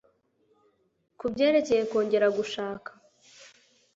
ku byerekeye kongera gushaka